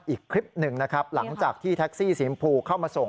อีกคลิปหนึ่งนะครับหลังจากที่แท็กซี่สีชมพูเข้ามาส่ง